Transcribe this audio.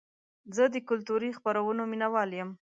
زه د کلتوري خپرونو مینهوال یم.